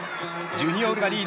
ジュニオールがリード。